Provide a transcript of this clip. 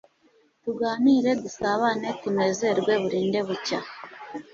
tuganire dusabane tunezerwe burinde bucya